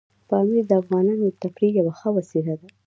پامیر د افغانانو د تفریح یوه ښه وسیله ده.